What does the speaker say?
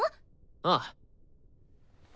ああ。